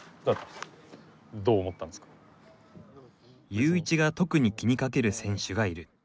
ユーイチが特に気にかける選手がいる。